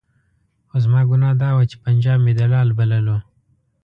خو زما ګناه دا وه چې پنجاب مې دلال بللو.